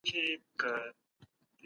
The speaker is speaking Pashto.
سوله ییزې خبري اتري هیڅکله بې ګټي نه وي.